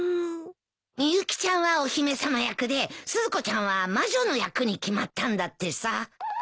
みゆきちゃんはお姫様役でスズコちゃんは魔女の役に決まったんだってさ。